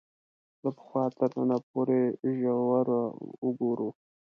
له پخوا تر ننه پورې ژوره وګورو